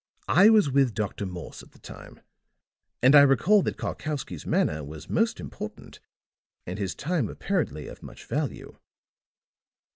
I was with Dr. Morse at the time, and I recall that Karkowsky's manner was most important and his time apparently of much value.